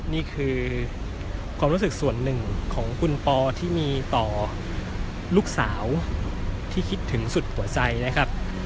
นี่คือความรู้สึกส่วนหนึ่งของคุณปอที่มีต่อลูกสาวที่คิดถึงสุดหัวใจนะครับ